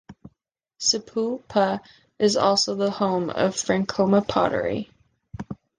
Sapulpa is also the home of Frankoma Pottery.